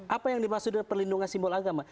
apa yang dimaksud dengan perlindungan simbol agama